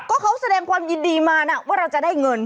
ก็เขาแสดงความยินดีมานะว่าเราจะได้เงิน